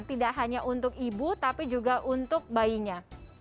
tidak hanya untuk ibu tapi juga untuk bayinya